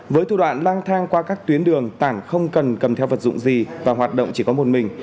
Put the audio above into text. với thủ đoạn lang thang qua các tuyến đường tảng không cần cầm theo vật dụng gì và hoạt động chỉ có một mình